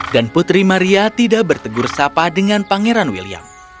dan putri maria tidak bertegur sapa dengan pangeran william